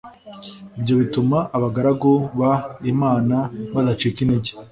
ibyo bituma abagaragu b imana badacika intege